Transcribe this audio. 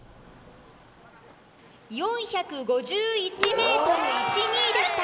４５１．１２ｍでした。